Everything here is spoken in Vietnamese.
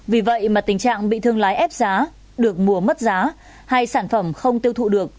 vì vậy mà tình trạng bị thương lái ép giá được mùa mất giá hay sản phẩm không tiêu thụ được